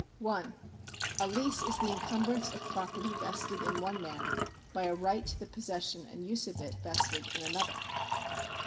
1. A lease is the encumbrance of iiroperty vested in one man bj' a right to the possession and use of it vested in another.